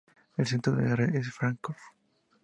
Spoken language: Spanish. El centro de la red es Fráncfort.